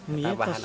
kak itu siapa